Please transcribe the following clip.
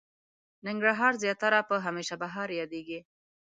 ننګرهار زياتره په هميشه بهار ياديږي.